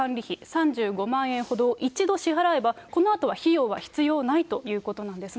３５万円ほどを１度支払えば、このあとは費用は必要ないということなんですね。